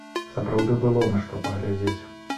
Сапраўды было на што паглядзець.